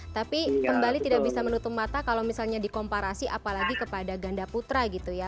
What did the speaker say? tapi kembali tidak bisa menutup mata kalau misalnya dikomparasi apalagi kepada ganda putra gitu ya